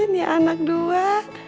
ini anak dua